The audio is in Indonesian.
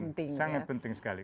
sangat penting sangat penting sekali